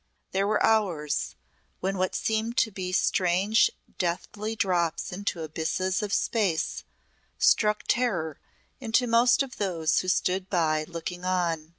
There were hours when what seemed to be strange, deathly drops into abysses of space struck terror into most of those who stood by looking on.